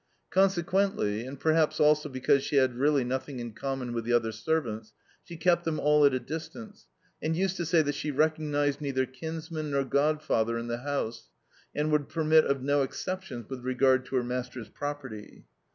Consequently (and perhaps, also, because she had nothing really in common with the other servants) she kept them all at a distance, and used to say that she "recognised neither kinsman nor godfather in the house, and would permit of no exceptions with regard to her master's property."